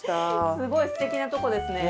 すごいすてきなとこですね。